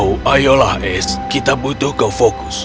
oh ayolah ace kita butuh ke fokus